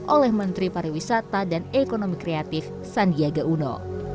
oleh menteri pariwisata dan ekonomi kreatif sandiaga uno